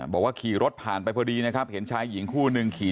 บอกว่าขี่รถผ่านไปพอดีนะครับเห็นชายหญิงคู่หนึ่งขี่